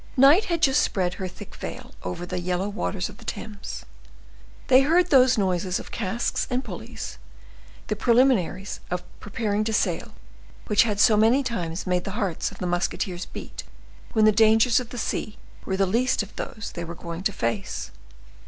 Night had just spread her thick veil over the yellow waters of the Thames; they heard those noises of casks and pulleys, the preliminaries of preparing to sail which had so many times made the hearts of the musketeers beat when the dangers of the sea were the least of those they were going to face.